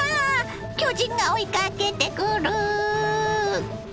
巨人が追いかけてくる！